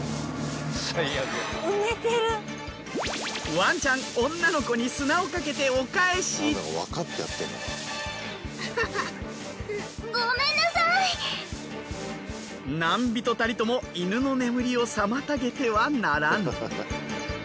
ワンちゃん女の子になんびとたりとも犬の眠りを妨げてはならぬ。